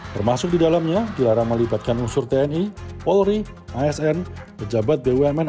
termasuk di dalamnya dilarang melibatkan unsur tni polri asn pejabat bumn